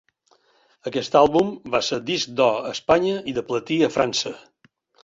Aquest àlbum va ser disc d'or a Espanya i de platí a França.